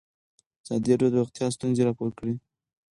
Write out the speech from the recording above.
ازادي راډیو د روغتیا ستونزې راپور کړي.